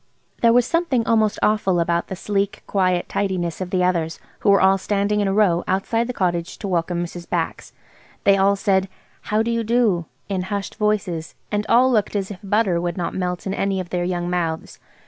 There was something almost awful about the sleek, quiet tidiness of the others, who were all standing in a row outside the cottage to welcome Mrs. Bax. They all said, "How do you do?" in hushed voices, and all looked as if butter would not melt in any of their young mouths.